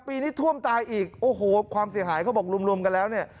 ปีนี้ท่วมตายอีกโอ้โหความเสียหายเขาบอกรวมรวมกันแล้วเนี่ย